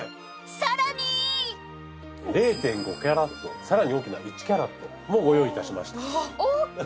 さらに０．５カラットさらに大きな１カラットもご用意いたしました。